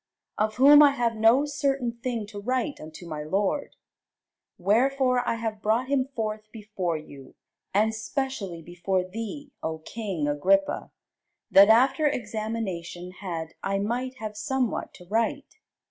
Of whom I have no certain thing to write unto my lord. Wherefore I have brought him forth before you, and specially before thee, O king Agrippa, that, after examination had, I might have somewhat to write.